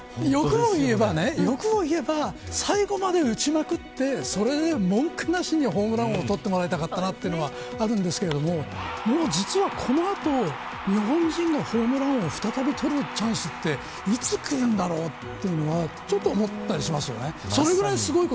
欲を言えば最後まで打ちまくってそれで文句なしにホームラン王を取ってもらいたかったなというのがあるんですけれどももう実は、この後日本人のホームラン王再び取るチャンスっていつ来るんだろうというのはちょっと思ったりしますよね。